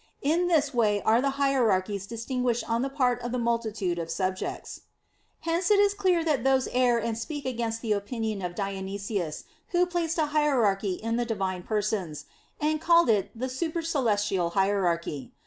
In this way are the hierarchies distinguished on the part of the multitude of subjects. Hence it is clear that those err and speak against the opinion of Dionysius who place a hierarchy in the Divine Persons, and call it the "supercelestial" hierarchy.